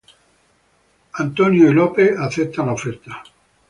Scott y Niko aceptan la oferta.